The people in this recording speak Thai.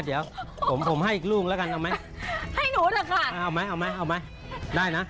เดี๋ยวผมให้อีกรูปแล้วกันเอาไหมให้หนูด่ะค่ะเอาไหมได้นะ